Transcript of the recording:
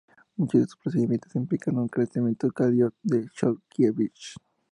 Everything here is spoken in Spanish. Muchos de estos procedimientos implican un acoplamiento de Cadiot-Chodkiewicz.